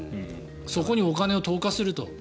そこにお金を投下すると。